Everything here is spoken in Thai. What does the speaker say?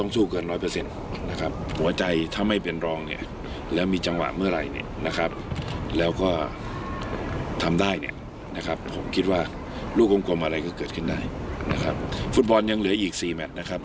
ฟุตบอลยังเหลืออีก๔แมทนะครับ